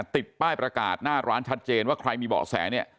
ติดป้ายประกาศหน้าร้านชัดเจนว่าใครมีเบาะแสเนี่ย